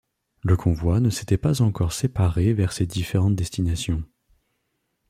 Le convoi ne s'était pas encore séparé vers ses différentes destinations.